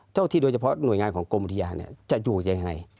ที่โดยเฉพาะหน่วยงานของกรมอุทยานจะอยู่ยังไง